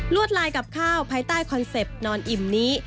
วดลายกับข้าวภายใต้คอนเซ็ปต์นอนอิ่มนี้